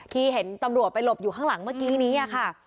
เห็นตำรวจไปหลบอยู่ข้างหลังเมื่อกี้นี้ค่ะ